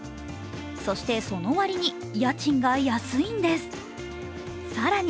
そして、その割に家賃が安いんです更に